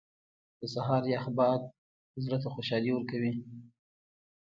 • د سهار یخ باد زړه ته خوشحالي ورکوي.